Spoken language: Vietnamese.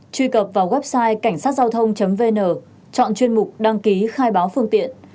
truy cập vào website cảnh sát giao thông vn chọn chuyên mục đăng ký khai báo phương tiện